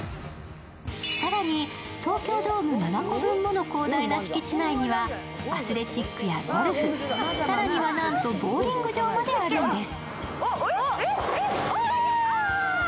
更に東京ドーム７個分もの広大な敷地内には、アスレチックやゴルフ、更にはなんとボウリング場まであるんです。